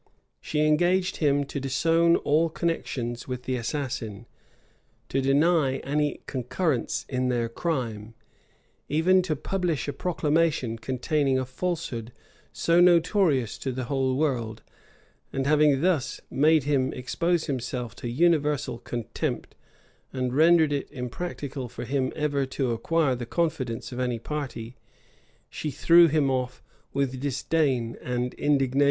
She engaged him to disown all connections with the assassins, to deny any concurrence in their crime, even to publish a proclamation containing a falsehood so notorious to the whole world;[] and having thus made him expose himself to universal contempt, and rendered it impracticable for him ever to acquire the confidence of any party, she threw him off with disdain and indignation.